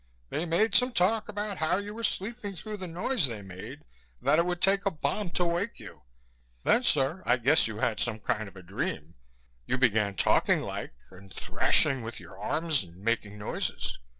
They made some talk about how you were sleeping through the noise they made, that it would take a bomb to wake you. Then, sir, I guess you had some kind of a dream. You began talking like and thrashing with your arms and making noises.